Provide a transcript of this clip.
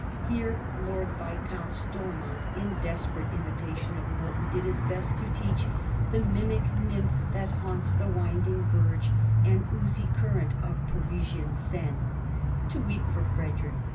Here Lord Viscount Stormont, in desperate imitation of Milton, did his best to teach The mimic Nymph that haunts the winding Verge And oozj current of Parisian Seine" to weep for Frederick.